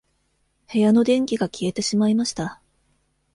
部屋の電気が消えてしまいました。